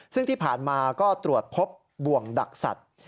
ซึ่งที่ผ่านมาก็ตรวจพบบ่วงดักสัตว์